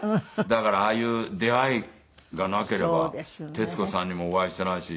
だからああいう出会いがなければ徹子さんにもお会いしていないし。